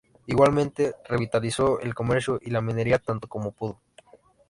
Igualmente, revitalizó el comercio y la minería tanto como pudo.